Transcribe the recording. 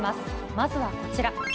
まずはこちら。